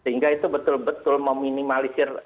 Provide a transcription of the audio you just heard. itu betul betul meminimalisir